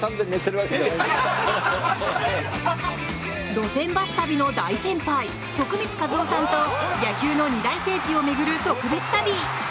路線バス旅の大先輩徳光和夫さんと野球の二大聖地を巡る特別旅！